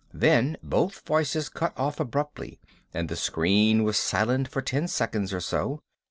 Then both voices cut off abruptly and the screen was silent for ten seconds or so.